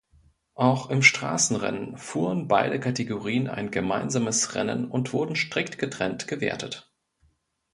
Auch im Straßenrennen fuhren beide Kategorien ein gemeinsames Rennen und wurden strikt getrennt gewertet.